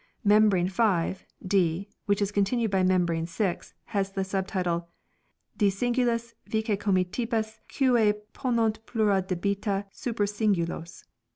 Membrane 5 " d " (which is continued by membrane 6) has the sub title, " de singulis vice comitibus qui ponunt plura debita super singulos